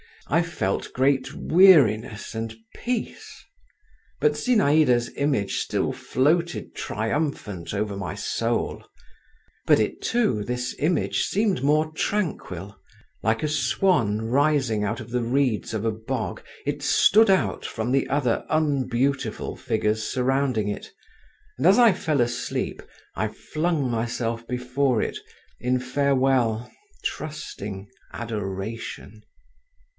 I felt great weariness and peace … but Zinaïda's image still floated triumphant over my soul. But it too, this image, seemed more tranquil: like a swan rising out of the reeds of a bog, it stood out from the other unbeautiful figures surrounding it, and as I fell asleep, I flung myself before it in farewell, trusting adoration….